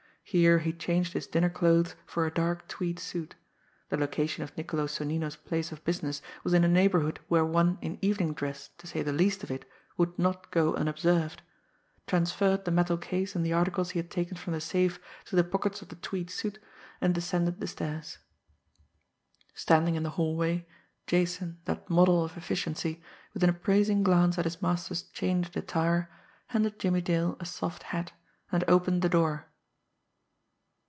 Here, he changed his dinner clothes for a dark tweed suit the location of Niccolo Sonnino's place of business was in a neighbourhood where one in evening dress, to say the least of it, would not go unobserved transferred the metal case and the articles he had taken from the safe to the pockets of the tweed suit, and descended the stairs. Standing in the hallway, Jason, that model of efficiency, with an appraising glance at his master's changed attire, handed Jimmie Dale a soft hat and opened the door.